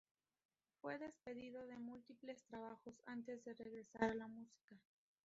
Fue despedido de múltiples trabajos, antes de regresar a la música.